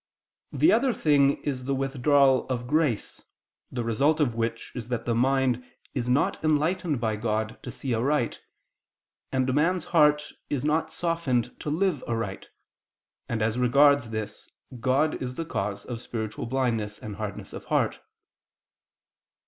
The other thing is the withdrawal of grace, the result of which is that the mind is not enlightened by God to see aright, and man's heart is not softened to live aright; and as regards this God is the cause of spiritual blindness and hardness of heart.